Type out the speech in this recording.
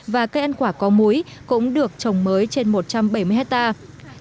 và cây ăn quả có muối cũng được trồng mới trên một trăm bảy mươi hectare